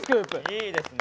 いいですね。